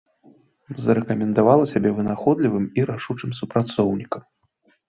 Зарэкамендавала сябе вынаходлівым і рашучым супрацоўнікам.